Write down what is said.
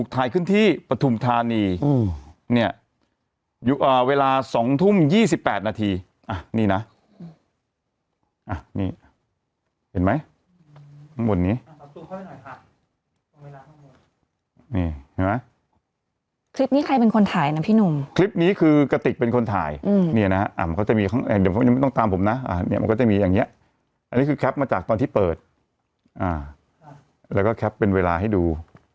ตรงที่ปฐุมธานีเนี้ยอยู่อ่าเวลาสองทุ่มยี่สิบแปดนาทีอ่ะนี่นะอ่ะนี่เห็นไหมทั้งหมดนี้นี่เห็นไหมคลิปนี้ใครเป็นคนถ่ายนะพี่หนุ่มคลิปนี้คือกติกเป็นคนถ่ายอืมเนี้ยนะอ่ะมันก็จะมีของเดี๋ยวมันยังไม่ต้องตามผมนะอ่ะเนี้ยมันก็จะมีอย่างเงี้ยอันนี้คือแคปมาจากตอนที่เปิดอ่าแล้วก็แคปเป็นเวลาให้ดู